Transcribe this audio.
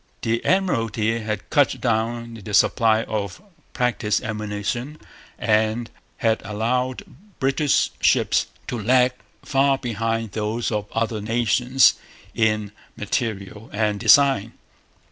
The Admiralty had cut down the supply of practice ammunition and had allowed British ships to lag far behind those of other nations in material and design.